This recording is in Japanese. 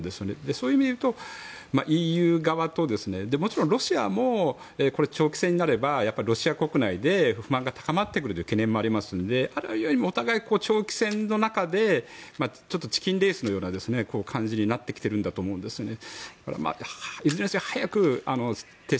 そういう意味で言うとＥＵ側ともちろんロシアも長期戦になればロシア国内で不満が高まってくるので、お互い長期戦の中で、ちょっとチキンレースのような感じになってきてるんだと思うんですよね。